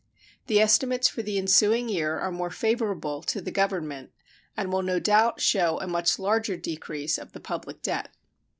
The estimates for the ensuing year are more favorable to the Government, and will no doubt show a much larger decrease of the public debt.